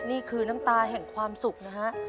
นี่คือน้ำตาแห่งความสุขนะฮะ